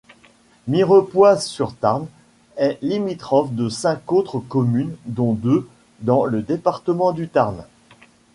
Mirepoix-sur-Tarn est limitrophe de cinq autres communes dont deux dans le département du Tarn.